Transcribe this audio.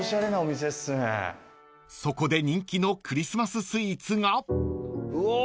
［そこで人気のクリスマス・スイーツが］うお来た！